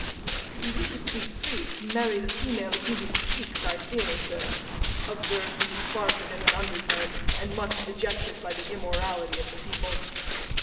'He wishes to be free, to marry the female of whom he speaks, I fear, sir,' observed Mrs. Sparsit in an undertone, and much dejected by the immorality of the people.